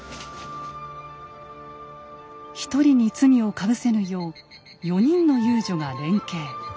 １人に罪をかぶせぬよう４人の遊女が連携。